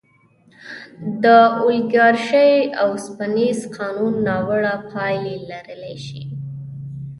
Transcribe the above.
د اولیګارشۍ اوسپنیز قانون ناوړه پایلې لرلی شي.